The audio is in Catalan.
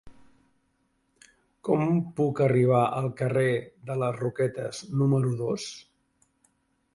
Com puc arribar al carrer de les Roquetes número dos?